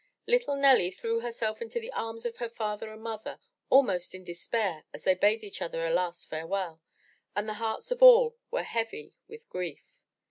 Little Nelly threw herself into the arms of her father and mother almost in despair as they bade each other a last farewell, and the hearts of all were heavy with grief.